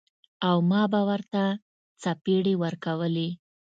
او ما به ورته څپېړې ورکولې.